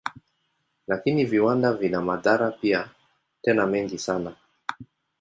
Lakini viwanda vina madhara pia, tena mengi sana.